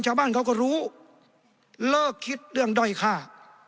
ชาวบ้านเขาก็รู้เลิกคิดเรื่องด้อยค่า